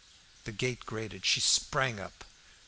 The gate grated; she sprang up.